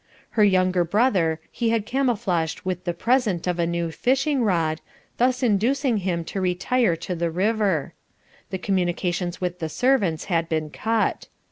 Her younger brother he had camouflaged with the present of a new fishing rod, thus inducing him to retire to the river. The communications with the servants had been cut.